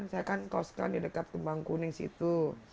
saya kan koskan di dekat kembang kuning situ